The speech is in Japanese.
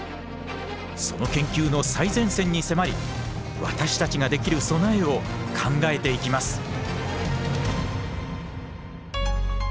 その研究の最前線に迫り私たちができる備えを考えていきます。